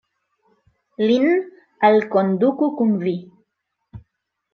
Lin alkonduku kun vi.